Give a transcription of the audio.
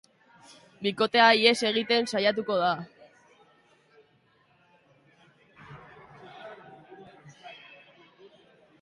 Bikotea ihes egiten saiatuko da.